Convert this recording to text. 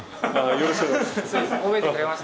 よろしくお願いします。